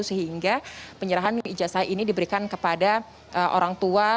sehingga penyerahan ijazah ini diberikan kepada orang tua